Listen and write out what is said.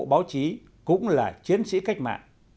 báo chí cũng là chiến sĩ cách mạng